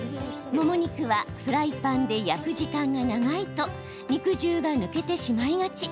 もも肉はフライパンで焼く時間が長いと肉汁が抜けてしまいがち。